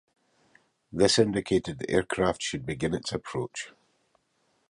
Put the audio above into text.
This indicated the aircraft should begin its approach.